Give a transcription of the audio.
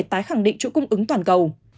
tái khẳng định chuỗi cung ứng toàn cầu